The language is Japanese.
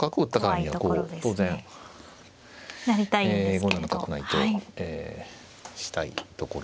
５七角成としたいところですね。